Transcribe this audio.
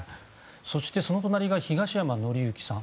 そして、その隣が東山紀之さん。